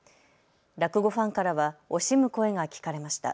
落語ファンからは惜しむ声が聞かれました。